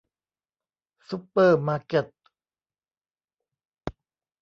ซุปเปอร์มาร์เก็ต